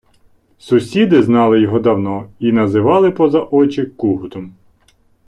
Сусіди знали його давно і називали поза очі кугутом